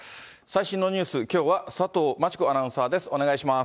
最新のニュース、きょうは佐藤真知子アナウンサーです。